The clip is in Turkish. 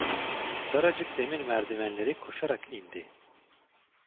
Daracık demir merdivenleri koşarak indi.